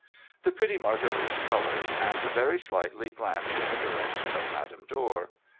The pretty Marguerite coloured, and very slightly glanced in the direction of Madame Dor.